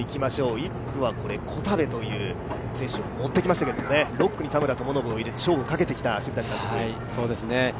１区は小田部という選手を持ってきましたけど、６区に田村友伸を入れて勝負をかけてきた澁谷監督。